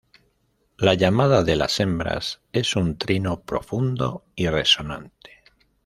La llamada de las hembras es un trino profundo y resonante.